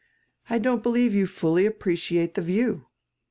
I don't believe you fully appreciate die view."